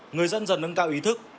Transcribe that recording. người dân dần nâng cao ý thức